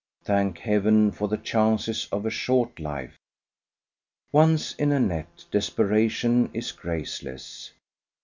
Thank heaven for the chances of a short life! Once in a net, desperation is graceless.